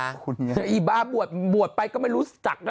ไอ้บ้าบวชบวชไปก็ไม่รู้จักด้วยล่ะ